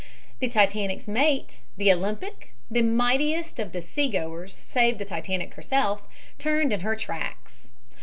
The Titanic's mate, the Olympic, the mightiest of the seagoers save the Titanic herself, turned in her tracks.